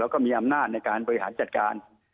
แล้วก็มีอำนาจในการบริหารจัดการ